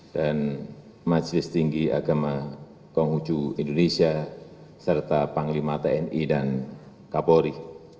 dan majelis tinggi agama konghuju indonesia serta panglima tni dan kapolri